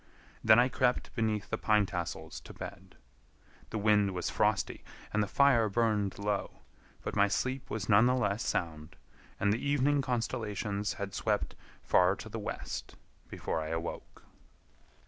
Then I crept beneath the pine tassels to bed. The wind was frosty and the fire burned low, but my sleep was none the less sound, and the evening constellations had swept far to the west before I awoke.